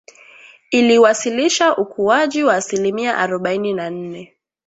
IIiwasilisha ukuaji wa asilimia arubaini na nne